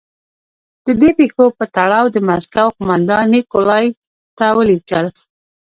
د دې پېښو په تړاو د مسکو قومندان نیکولای ته ولیکل.